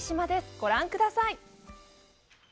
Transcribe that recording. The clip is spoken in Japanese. ご覧ください。